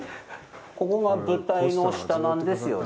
ここが舞台の下なんですよね。